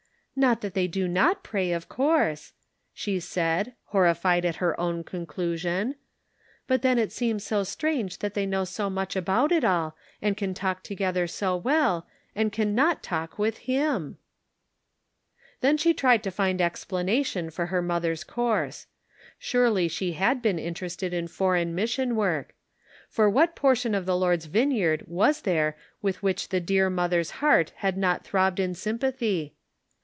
" Not that they do not pray, of course !" she said, horrified at her own conclusion. " But then it seems so strange that they know so much about it all, and can talk together so well, and can not talk with Him !" Then she tried to find explanation for her mother's course. Surely she had been inter ested in foreign mission work. For what por tion of the Lord's vineyard was there with which the dear mother's heart had not throbbed in sympathy